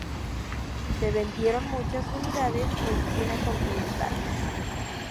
Se vendieron muchas unidades en China continental.